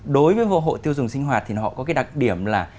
đối với hộ tiêu dùng sinh hoạt thì họ có cái đặc điểm là